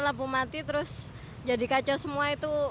lampu mati terus jadi kacau semua itu